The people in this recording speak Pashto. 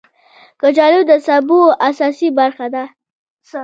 کچالو د سبو اساسي برخه ده